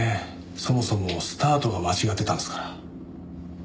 そもそもスタートが間違ってたんですから。